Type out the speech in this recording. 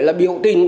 là biểu tình